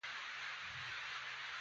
تفریح د ذهني فشار د کمېدو لاره ده.